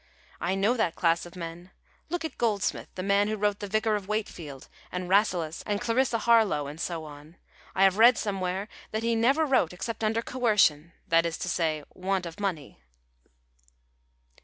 I know that class of men; look at Goldsmith, the man who wrote the "Vicar of Wakefield," and "Rasselas," and "Clarissa Harlowe," and so on. I have read somewhere that he never wrote except under coercion that is to say, want of money."